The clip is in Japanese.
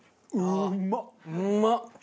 うまっ！